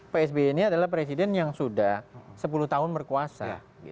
pak sby ini adalah presiden yang sudah sepuluh tahun berkuasa